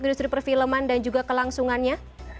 dan juga kelangsungannya